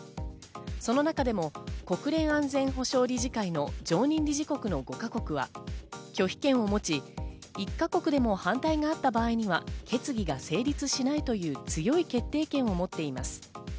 その中でも国連安全保障理事会の常任理事国の５か国は、拒否権を持ち、１か国でも反対があった場合には決議が成立しないという強い決定権を持っています。